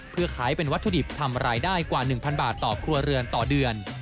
เพื่อขายเป็นวัตถุดิบทำรายได้กว่า๑๐๐บาทต่อครัวเรือนต่อเดือน